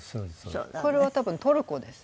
これは多分トルコです。